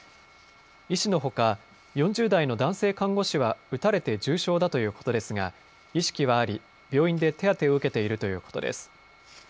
医師のほか、４０代の男性看護師は撃たれて重傷だということですが、意識はあり、病院で手当てを受けているということです。